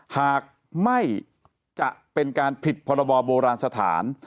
หากไม่จะเป็นการผิดพรบโบราณสถาน